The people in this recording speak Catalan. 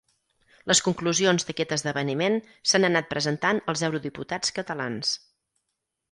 Les conclusions d'aquest esdeveniment s'han anat presentant als eurodiputats catalans.